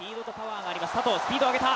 佐藤、スピードを上げた。